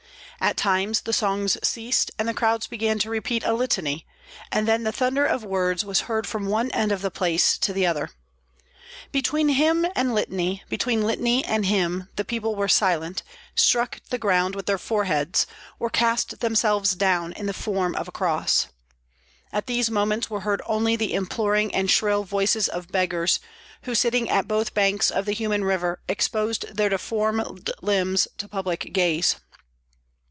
At times the songs ceased and the crowds began to repeat a litany, and then the thunder of words was heard from one end of the place to the other. Between hymn and litany, between litany and hymn, the people were silent, struck the ground with their foreheads, or cast themselves down in the form of a cross. At these moments were heard only the imploring and shrill voices of beggars, who sitting at both banks of the human river exposed their deformed limbs to public gaze.